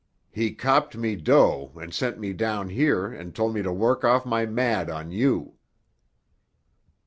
He copped me dough and sent me down here and told me to work off my mad on you."